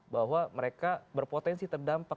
bahwa mereka berpotensi terdampak